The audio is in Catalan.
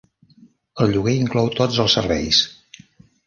El lloguer inclou tots els serveis.